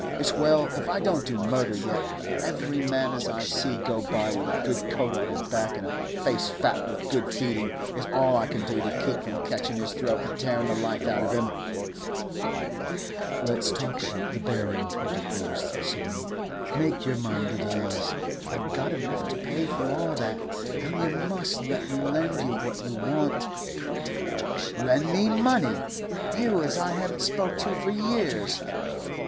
It's well if I don't do murder yet; every man as I see go by with a good coat on his back and a face fat with good feeding, it's all I can do to keep from catchin' his throat an tearin' the life out of him!' 'Let's talk about the burial,' interposed Sidney. 'Make your mind at ease. I've got enough to pay for all that, and you must let me lend you what you want.' 'Lend me money? You as I haven't spoke to for years?